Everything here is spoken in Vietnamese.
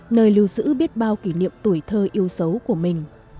nơi lưu giữ biết bao kỷ niệm tuổi thơ yêu xấu của mình